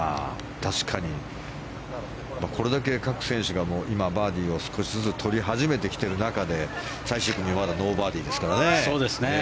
確かにこれだけ各選手が今、バーディーを少しずつ取り始めてきている中で最終組はまだノーバーディーですからね。